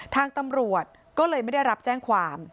ทางตำรวจก็เลยไม่ได้รับแจ้งความ